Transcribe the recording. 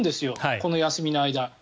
この休みの間。